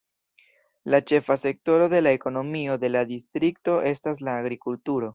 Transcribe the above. La ĉefa sektoro de la ekonomio de la distrikto estas la agrikulturo.